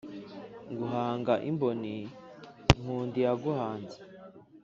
nguhanga imboni nkunda iyaguhanze